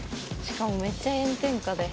しかもめっちゃ炎天下で。